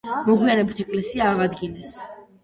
მოგვიანებით ეკლესია აღადგინეს.